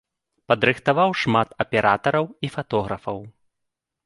Падрыхтаваў шмат аператараў і фатографаў.